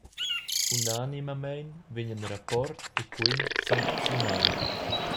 Unanimamein vegnan rapport e quen sancziunai.